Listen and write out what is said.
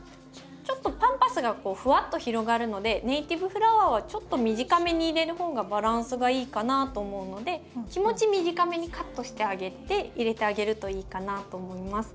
ちょっとパンパスがこうふわっと広がるのでネイティブフラワーはちょっと短めに入れる方がバランスがいいかなと思うので気持ち短めにカットしてあげて入れてあげるといいかなと思います。